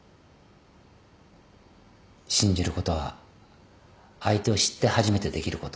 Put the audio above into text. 信じることは相手を知って初めてできること。